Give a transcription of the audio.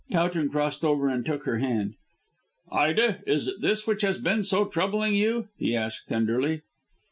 Towton crossed over and took her hand. "Ida, is it this which has been so troubling you?" he asked tenderly.